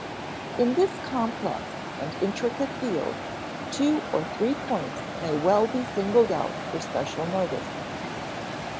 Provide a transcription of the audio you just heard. In this complex and intricate field, two or three points may well be singled out for special notice.